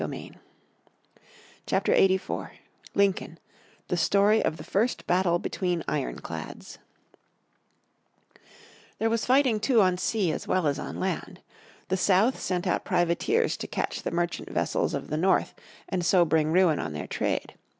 __________ Chapter 84 Lincoln The Story of the First Battle Between Ironclads There was fighting too on sea as well as on land. The South sent out privateers to catch the merchant vessels of the North, and so bring ruin on their trade.